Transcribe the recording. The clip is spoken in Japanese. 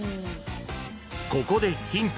［ここでヒント］